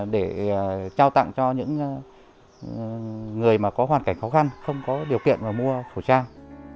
để trao tặng cho những người mà có hoàn cảnh khó khăn không có điều kiện mà mua khẩu trang